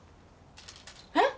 えっ？